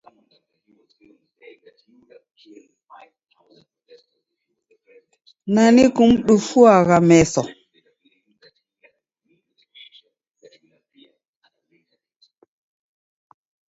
Nani kumdufuyaa meso?